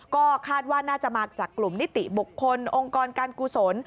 ก็คาดว่าน่าจะมาจากกลุ่มนิติบุคคลองค์กรการกุศล